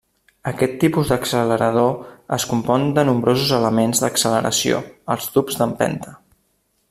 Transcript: Aquest tipus d'accelerador es compon de nombrosos elements d'acceleració, els tubs d'empenta.